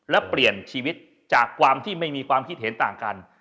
และเปลี่ยนชีวิตจากความที่ไม่มีความคิดเห็นต่างกัน